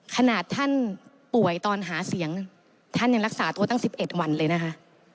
ขนาดท่านป่วยตอนหาเสียงท่านยังรักษาตัวตั้ง๑๑วันเลยนะคะ